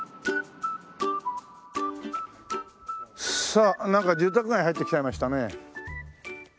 さあなんか住宅街に入ってきちゃいましたね。